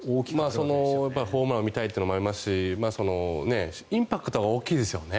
そのホームランを見たいというのがありますしインパクトが大きいですよね。